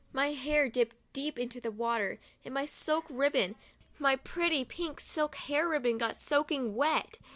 My hair dipped deep into the water and my silk ribbon, my pretty pink silk hair ribbon, got soaking wet.